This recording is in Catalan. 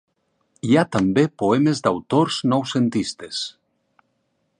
Hi ha també poemes d'autors noucentistes.